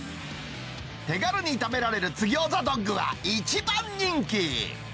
手軽に食べられる津ぎょうざドッグは一番人気。